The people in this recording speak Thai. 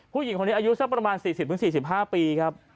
ผู้หญิงคนนี้อายุสักประมาณ๔๐๔๕ปีครับ